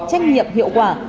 trách nhiệm hiệu quả